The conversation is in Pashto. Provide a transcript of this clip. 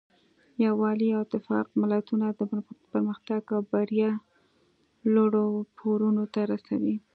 یووالی او اتفاق ملتونه د پرمختګ او بریا لوړو پوړونو ته رسوي.